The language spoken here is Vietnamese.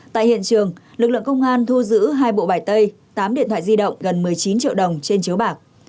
tại hiện trường lực lượng công an thu giữ hai bộ bài tay tám điện thoại di động gần một mươi chín triệu đồng trên chiếu bạc